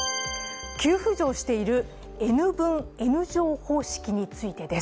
急浮上しているＮ分Ｎ乗方式についてです。